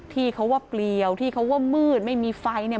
ที่เขาว่าเปลี่ยวที่เขาว่ามืดไม่มีไฟเนี่ย